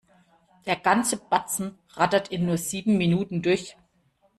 Der ganze Batzen rattert in nur sieben Minuten durch.